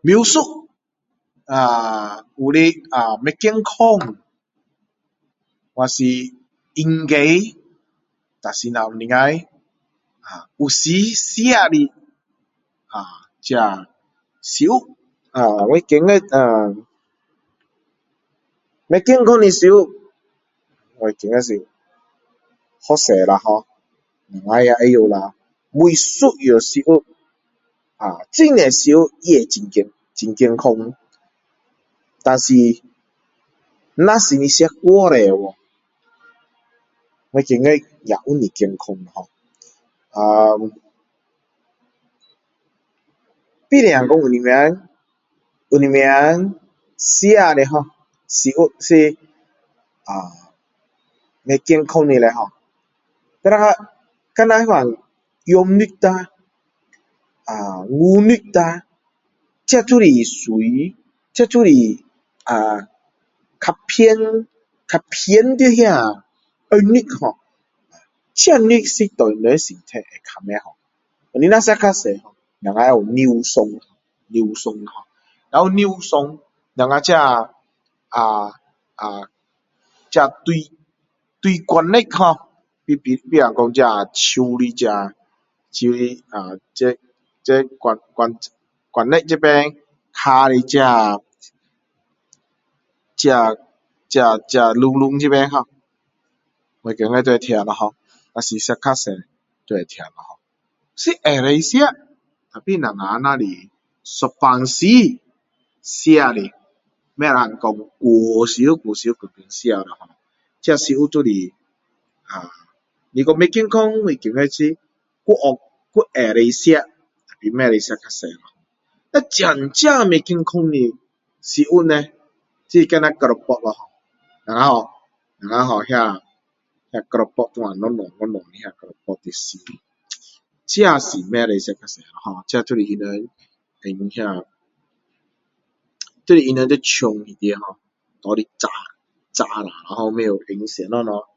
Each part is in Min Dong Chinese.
描述啊有的不健康若是应该若是能够有时吃的啊这食物我觉得呃不健康的食物我觉得是蛮多啦我们也知道啦每一样食物每一种使用很多很健康但是若是吃太多我觉得也不是健康ho呃比如说有什么有什么吃的食物是不健康的ho就像就要那种羊肉啦牛肉啦这就是属于这就是较偏较偏在红肉ho这肉是对人身体较不好你若吃太多我们有尿酸尿酸ho所有尿酸我们这啊啊大血管ho比如说这这这手的呃这这管管血这边脚的这这这关节这边ho我觉得都会痛啦ho若是吃太多就会痛啦ho是可以吃但是我们只是有时候吃的不能说太常太常去吃啦ho你说不健康我觉得还哦还可以吃但是不可以吃太多啦ho那真正不健康的食物叻就是keropok哦我们叫我们叫那keropok这样小小的这真的不可以吃太多啦ho这他们放那就是他们在厂里面拿来炸炸了不知道放什么会耐久他就是放那个放那个这样plastic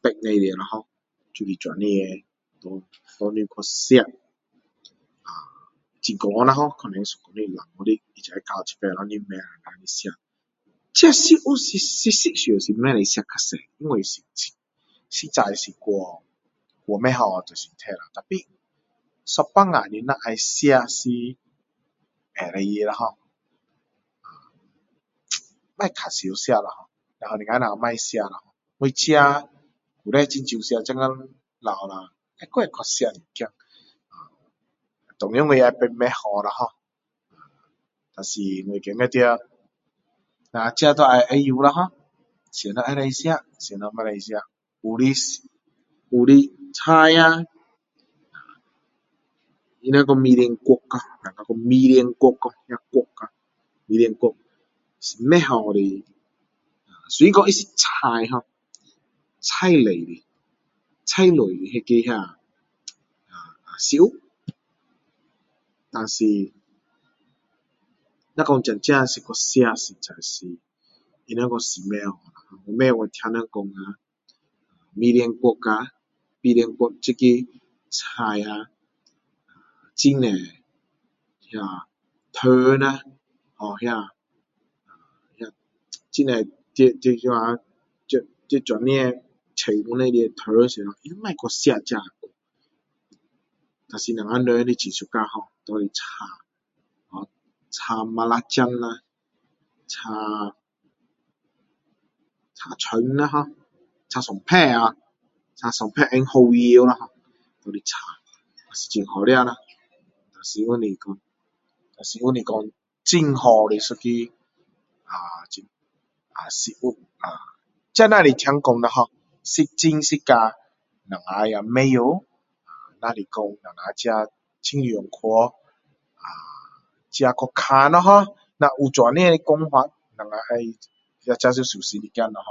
bag里面了ho就是这样给你去吃久啦可能一个月两个月给你吃这是事实上不可以吃太多因为实在是太不好咯给身体咯但是有时候你若要吃是可以的啦ho不要太常吃啦lo若能够不要我自己以前很少吃现今老了还会去吃一点啊当然我知道不好啦ho但是我自己我们自己要一个啦什么可以吃什么不可以吃有些有些菜啊啊他们说米连国啊国啊米连国啊不好的虽然说他是菜ho菜的菜类的菜类的那个啊啊食物但是若是真正去吃是他们说不好不去听人说啊米连国啊米连国这个菜啊很多虫啦哦那那很多就是这样那那在菜园里面这他不要去吃这倒是我们人还是很喜欢ho拿来炒炒belacan啦炒葱啦葱蒜头ho炒蒜头放蚝油啦拿来炒是很好吃啦但是不是说但是不是说很好的一个啊食物啊这只是听说啦是真是假我们不知道只是说我们尽量去啊自己去看啦ho若有这样的说法我们自己就小心一点啦这是我的看法啦ho